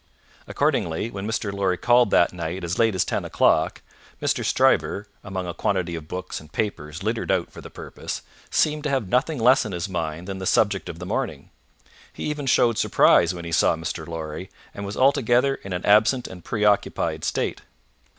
Accordingly, when Mr. Lorry called that night as late as ten o'clock, Mr. Stryver, among a quantity of books and papers littered out for the purpose, seemed to have nothing less on his mind than the subject of the morning. He even showed surprise when he saw Mr. Lorry, and was altogether in an absent and preoccupied state.